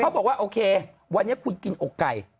บอกว่าโอเควันนี้คุณกินอกไก่